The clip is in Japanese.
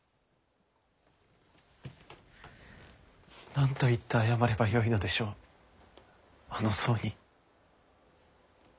何と言って謝ればよいのでしょうあの僧に。